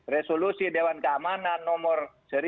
resolusi dewan keamanan nomor seribu tiga ratus tujuh puluh tiga